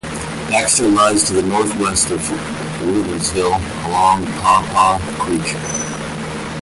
Baxter lies to the northwest of Rivesville along Paw Paw Creek.